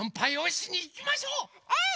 うん！